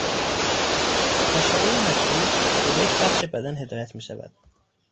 اشعهی مجهول که به یک بخش بدن هدایت میشود